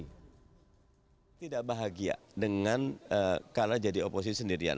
saya tidak bahagia dengan kalah jadi oposisi sendirian